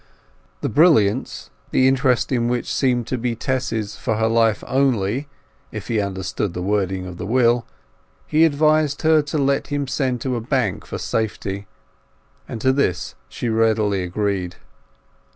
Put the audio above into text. The brilliants, the interest in which seemed to be Tess's for her life only (if he understood the wording of the will), he advised her to let him send to a bank for safety; and to this she readily agreed.